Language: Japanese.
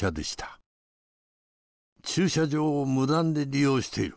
「駐車場を無断で利用している」